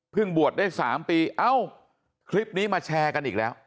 บวชได้๓ปีเอ้าคลิปนี้มาแชร์กันอีกแล้ว